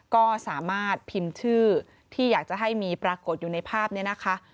ก็สามารถพิมพ์ชื่อที่อยากจะให้มีปรากฏอยู่ในภาพนี้นะคะ